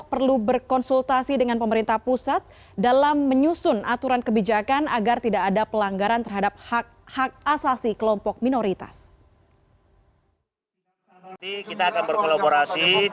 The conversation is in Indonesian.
perlu berkonsultasi dengan pemerintah pusat dalam menyusun aturan kebijakan agar tidak ada pelanggaran terhadap hak hak asasi kelompok minoritas